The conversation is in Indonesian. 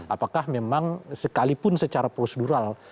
apakah memang sekalipun secara prosedural